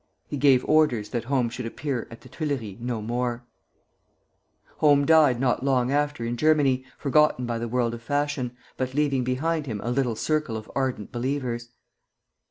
He gave orders that Home should appear at the Tuileries no more. [Footnote 1: Pierre de Lana.] Home died not long after in Germany, forgotten by the world of fashion, but leaving behind him a little circle of ardent believers.